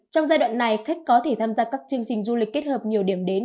trong giai đoạn này khách có thể tham gia các chương trình du lịch kết hợp nhiều điểm đến